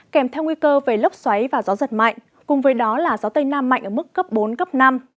kèm theo nguy cơ về lốc xoáy và gió giật mạnh cùng với đó là gió tây nam mạnh ở mức cấp bốn cấp năm